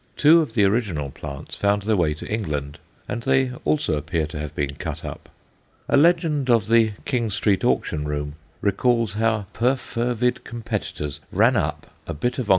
Two of the original plants found their way to England, and they also appear to have been cut up. A legend of the King Street Auction Room recalls how perfervid competitors ran up a bit of _Onc.